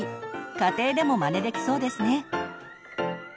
家庭でもマネできそうですね。